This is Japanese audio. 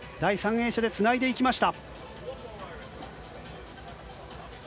泳者につないでいきました。